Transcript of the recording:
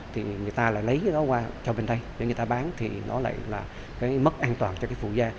thì người ta lại lấy cái đó qua cho bên đây để người ta bán thì nó lại là cái mất an toàn cho cái phụ da